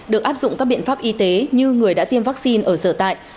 được áp dụng các biện pháp y tế như người đã tiêm vaccine ở sở tại